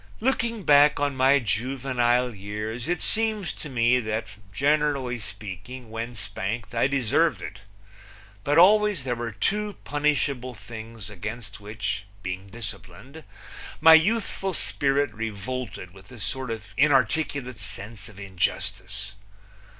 Looking back on my juvenile years it seems to me that, generally speaking, when spanked I deserved it. But always there were two punishable things against which being disciplined my youthful spirit revolted with a sort of inarticulate sense of injustice.